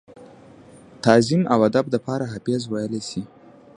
تعظيم او ادب دپاره حافظ وئيلی شي ۔